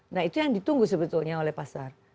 nah itu yang ditunggu sebetulnya oleh pasar